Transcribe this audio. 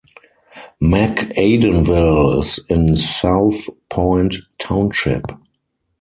McAdenville is in South Point Township.